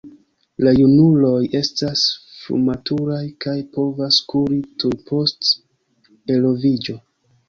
La junuloj estas frumaturaj kaj povas kuri tuj post eloviĝo.